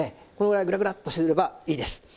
このぐらいグラグラとしてくればいいです。